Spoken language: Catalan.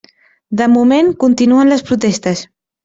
De moment, continuen les protestes.